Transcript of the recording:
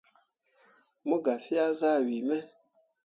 Mo gah fea zah wii me.